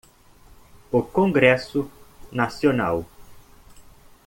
O congresso nacional.